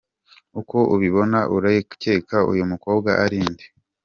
Uko ubibona urakeka uyu mukobwa ari nde?.